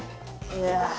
いや。